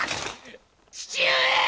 父上！